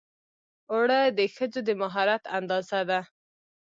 اوړه د ښځو د مهارت اندازه ده